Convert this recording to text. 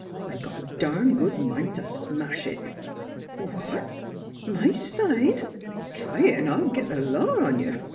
" I got a darn good mind t' smash it." " What? My sign? Try it, an' I'll git th' law on you